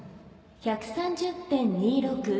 １３０．２６。